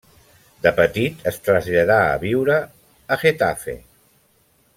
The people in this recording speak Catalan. De petit es traslladà a viure a Getafe.